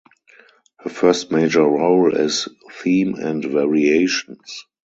Her first major role is "Theme and Variations".